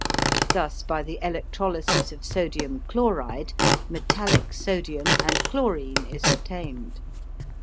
Thus by the electrolysis of sodium chloride metallic sodium and chlorine is obtained.